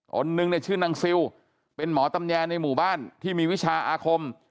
คนหนึ่งเนี่ยชื่อนางซิลเป็นหมอตำแยในหมู่บ้านที่มีวิชาอาคม